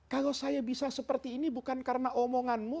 kalau saya bisa seperti ini bukan karena omonganmu